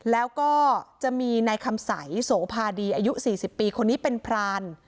แล้วก็จะมีนายคำสัยโสภาดีอายุ๔๐ปีคนนี้เป็นพราน